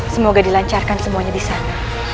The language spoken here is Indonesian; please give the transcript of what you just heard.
semoga dilancarkan semuanya di sana